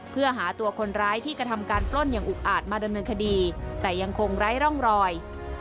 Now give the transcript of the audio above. เพื่อหาตัวคนร้ายที่กระทำการปล้นอย่างอุกอาจมาดำเนินคดีแต่ยังคงไร้ร่องรอย